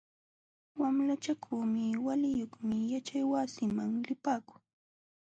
Wamlachakuna waliyuqmi yaćhaywasiman lipaakun.